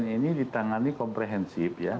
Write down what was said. ini ditangani komprehensif ya